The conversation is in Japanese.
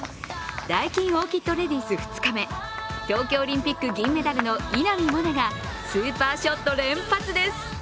ダイキンオーキッドレディス２日目東京オリンピック銀メダルの稲見萌寧がスーパーショット連発です。